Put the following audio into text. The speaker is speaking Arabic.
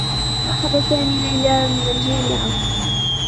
أخذ سامي ليلى من الجامعة.